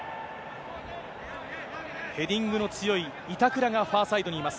ヘディングの強い板倉がファーサイドにいます。